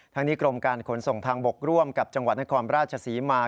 ทั้งนี้กรมการขนส่งทางบกร่วมกับจังหวัดนครราชศรีมา